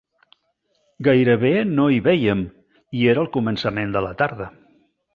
Gairebé no hi vèiem i era el començament de la tarda.